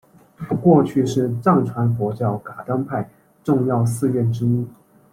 过去是藏传佛教噶当派重要寺院之一。